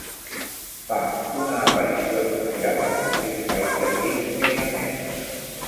Fa una aparició especial en "Street Fighter X Mega Man".